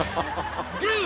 グー！